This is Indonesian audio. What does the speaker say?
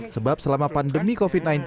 sebab selama pandemi covid sembilan belas